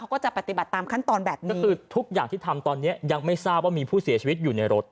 ก็จะปฏิบัติตามขั้นตอนแบบนี้ก็คือทุกอย่างที่ทำตอนนี้ยังไม่ทราบว่ามีผู้เสียชีวิตอยู่ในรถ